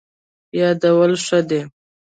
یادول ښه دی.